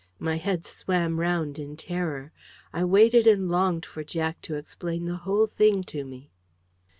My head swam round in terror. I waited and longed for Jack to explain the whole thing to me.